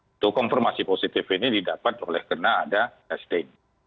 itu konfirmasi positif ini didapat oleh karena ada testing